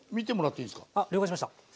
了解しました。